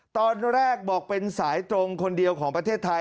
ตอนแรกบอกเป็นสายตรงคนเดียวของประเทศไทย